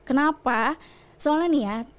kenapa soalnya nih ya